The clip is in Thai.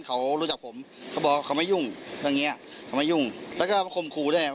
เขาก็ได้บอกว่าไม่เป็นแม่แล้วทำไมเอาเงินอ้างว่าให้แม่